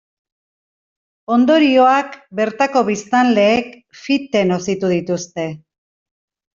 Ondorioak bertako biztanleek fite nozitu dituzte.